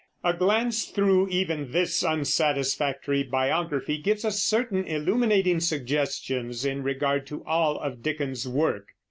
A glance through even this unsatisfactory biography gives us certain illuminating suggestions in regard to all of Dickens's work.